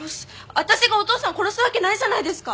私がお父さんを殺すわけないじゃないですか！